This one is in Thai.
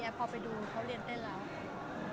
พอไปดูเขาเรียนเต้นแล้ว